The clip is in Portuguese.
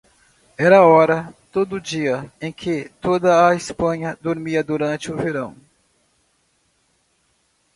Era a hora do dia em que toda a Espanha dormia durante o verão.